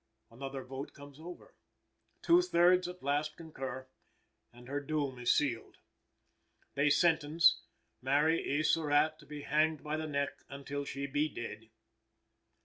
Another vote comes over. Two thirds at last concur, and her doom is sealed. They sentence "Mary E. Surratt to be hanged by the neck until she be dead."